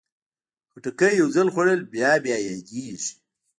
خټکی یو ځل خوړل بیا بیا یادېږي.